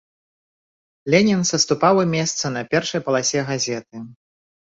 Ленін саступаў ім месца на першай паласе газеты.